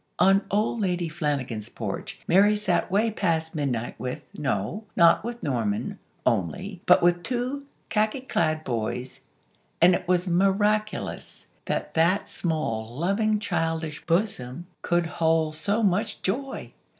_"On old Lady Flanagan's porch Mary sat way past midnight with, no, not with Norman, only, but with two khaki clad boys; and it was miraculous that that small, loving childish bosom could hold so much joy!